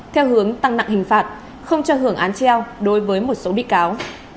theo hướng tăng nặng hình phạt không cho hưởng án treo đối với một số bị cáo